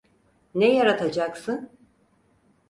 Ne yaratacaksın?